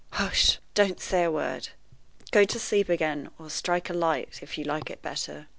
Hush! don't say a word, Go to sleep again, or strike a light, if you like it better.